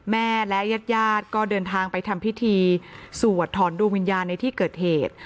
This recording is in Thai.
แม่และญาติญาติก็เดินทางไปทำพิธีสวดถอนดวงวิญญาณในที่เกิดเหตุ